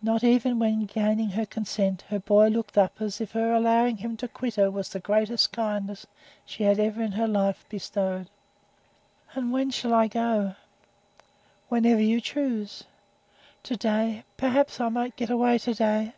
Not even when, gaining her consent, the boy looked up as if her allowing him to quit her was the greatest kindness she had ever in his life bestowed. "And when shall I go?" "Whenever you choose." "To day; perhaps I might get away to day?"